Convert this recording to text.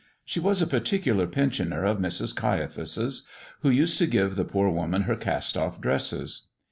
She was a particular pensioner of Mrs. Caiaphas's, who used to give the poor woman her cast off dresses.